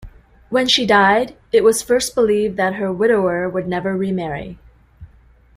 When she died, it was first believed that her widower would never remarry.